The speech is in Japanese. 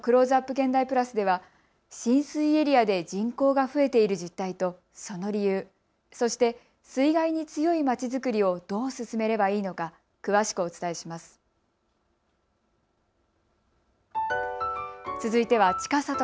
現代＋では浸水エリアで人口が増えている実態とその理由、そして水害に強い町づくりをどう進めればいいのか、詳しくお伝えします。